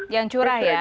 yang curah ya